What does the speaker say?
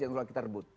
yang sudah kita rebut